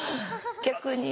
逆に。